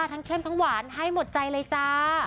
เข้มทั้งหวานให้หมดใจเลยจ้า